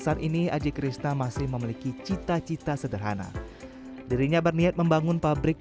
saat ini aji krisna masih memiliki cita cita sederhana dirinya berniat membangun pabrik